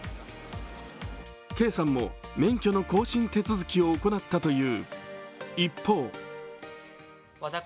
圭さんも免許の更新手続きを行ったという。